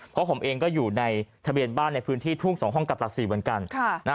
เพราะผมเองก็อยู่ในทะเบียนบ้านในพื้นที่ทุ่ง๒ห้องกับหลัก๔เหมือนกัน